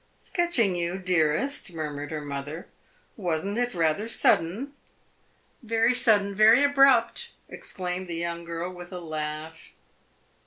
"Sketching you, dearest?" murmured her mother. "Was n't it rather sudden?" "Very sudden very abrupt!" exclaimed the young girl with a laugh.